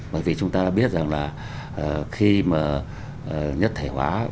bởi vì chúng ta đã biết rằng là khi mà nhất thể hóa